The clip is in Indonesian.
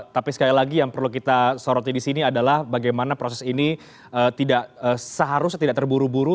tapi sekali lagi yang perlu kita soroti di sini adalah bagaimana proses ini tidak seharusnya tidak terburu buru